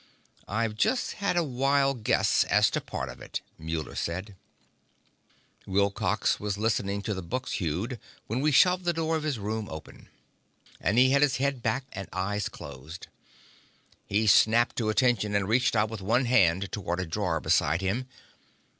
"I've just had a wild guess as to part of it," Muller said. Wilcox was listening to the Buxtehude when we shoved the door of his room open, and he had his head back and eyes closed. He snapped to attention, and reached out with one hand toward a drawer beside him.